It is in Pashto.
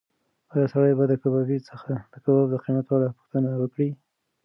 ایا سړی به د کبابي څخه د کباب د قیمت په اړه پوښتنه وکړي؟